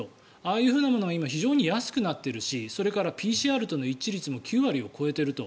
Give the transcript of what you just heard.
ああいうものは今、非常に安くなっているしそれからＰＣＲとの一致率も９割を超えていると。